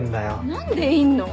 何でいんの？